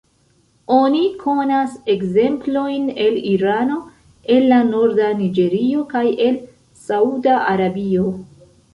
Oni konas ekzemplojn el Irano, el la norda Niĝerio, kaj el Sauda Arabio.